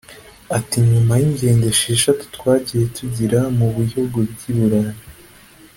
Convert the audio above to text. Ati “Nyuma y’ingendo esheshatu twagiye tugirira mu bihugu by’i Burayi